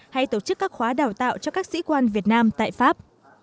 hay tổ chức các khóa đào tạo cho các sĩ quan việt nam tại pháp